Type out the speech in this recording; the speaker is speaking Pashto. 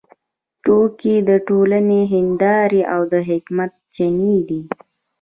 ټوکې د ټولنې هندارې او د حکمت چینې دي.